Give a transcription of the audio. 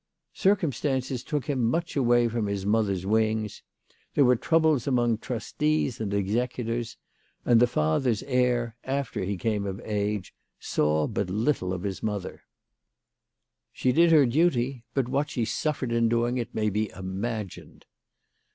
Circumstances took him much away from his mother's wings. There were troubles among trustees and executors ; and the father's heir, after he came of age, saw but little of his mother. 108 THE LADY OF LAUNAY. She did her duty, but what she suffered in doing it may be imagined.